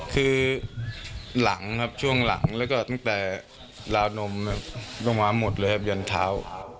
คือหลังครับช่วงหลังแล้วก็ตั้งแต่ราวนมลงมาหมดเลยครับยันเท้า